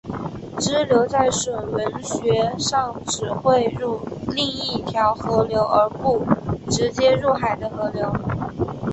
支流在水文学上指汇入另一条河流而不直接入海的河流。